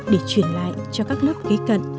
để chuyển lại cho các lớp kế cận